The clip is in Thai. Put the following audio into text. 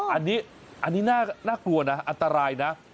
อันนี้น่ากลัวนะอันตรายนะ